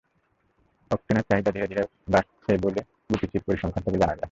অকটেনের চাহিদা ধীরে ধীরে বাড়ছে বলে বিপিসির পরিসংখ্যান থেকে জানা গেছে।